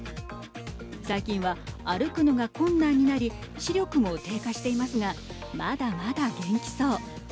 最近は歩くのが困難になり視力も低下していますがまだまだ元気そう。